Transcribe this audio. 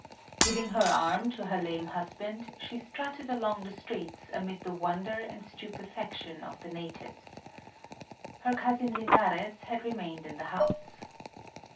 Giving her arm to her lame husband, she strutted along the streets amid the wonder and stupefaction of the natives. Her cousin Linares had remained in the house.